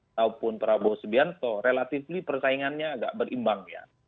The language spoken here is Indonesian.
ataupun prabowo subianto relatifly persaingannya agak berimbang ya